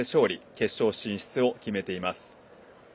決勝進出を決めています。